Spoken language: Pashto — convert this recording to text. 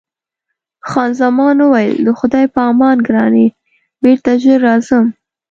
خان زمان وویل: د خدای په امان ګرانې، بېرته ژر راځم.